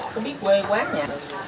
không biết quê quát nha